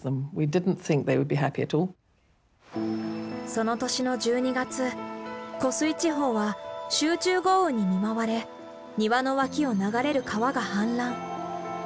その年の１２月湖水地方は集中豪雨に見舞われ庭の脇を流れる川が氾濫。